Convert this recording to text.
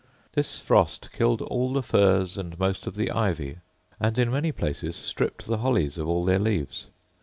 This frost killed all the furze and most of the ivy, and in many places stripped the hollies of all their leaves.